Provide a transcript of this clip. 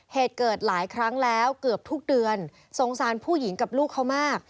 เหตุเกิดหลายครั้งแล้วเกือบทุกเดือนสงสารผู้หญิงกับลูกเขามาก